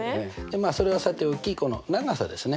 まあそれはさておきこの長さですね。